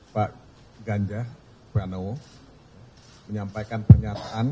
pak ganjar pranowo menyampaikan pernyataan